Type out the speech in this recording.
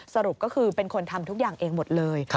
สรุปก็คือเป็นคนทำทุกอย่างเองหมดเลย